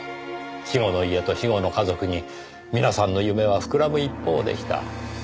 死後の家と死後の家族に皆さんの夢は膨らむ一方でした。